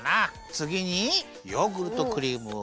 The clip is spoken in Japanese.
つぎにヨーグルトクリームをいれます。